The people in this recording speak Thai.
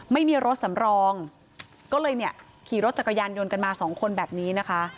ไม่มีรถสำรองก็เลยเนี่ยขี่รถจักรยานยนต์กันมาสองคนแบบนี้นะคะ